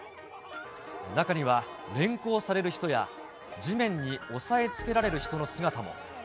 中には、連行される人や、地面に押さえつけられる人の姿も。